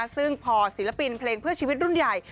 ซึ่งพอศิลปินเพลงเพื่อชีวิตรุ่นใหญ่